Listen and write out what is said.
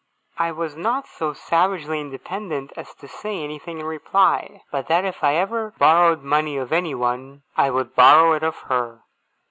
I was not so savagely independent as to say anything in reply, but that if ever I borrowed money of anyone, I would borrow it of her.